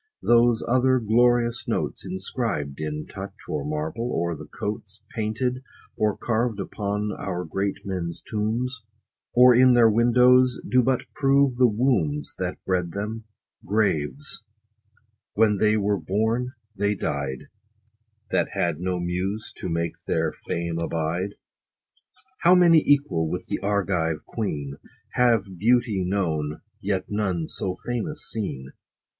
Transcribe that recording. Those other glorious notes, Inscribed in touch or marble, or the coats Painted, or carv'd upon our great men's tombs, Or in their windows, do but prove the wombs That bred them, graves : when they were born they died, That had no muse to make their fame abide. How many equal with the Argive queen, 40 Have beauty known, yet none so famous seen